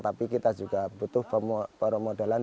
tapi kita juga butuh permodalan